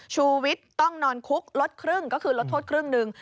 ชูวิทย์ต้องนอนคุกลดครึ่งก็คือลดโทษครึ่งหนึ่ง